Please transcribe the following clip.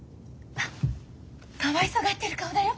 かわいそがってる顔だよ！